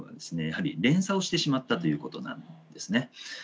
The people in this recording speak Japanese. やはり連鎖をしてしまったということなんですね。